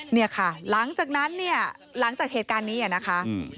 เนี่ยค่ะหลังจากนั้นเนี่ยหลังจากเหตุการณ์นี้อ่ะนะคะ